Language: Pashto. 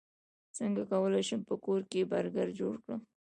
څنګه کولی شم په کور کې برګر جوړ کړم